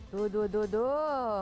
tuh tuh tuh tuh